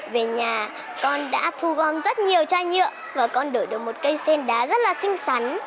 về nhà con đã thu gom rất nhiều chai nhựa và con đổi được một cây sen đá rất là xinh xắn